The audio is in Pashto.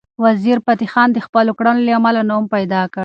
وزیرفتح خان د خپلو کړنو له امله نوم پیدا کړ.